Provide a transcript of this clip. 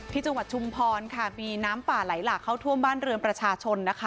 จังหวัดชุมพรค่ะมีน้ำป่าไหลหลากเข้าท่วมบ้านเรือนประชาชนนะคะ